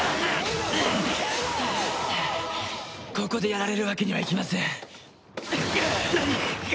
ここでやられるわけにはいきません。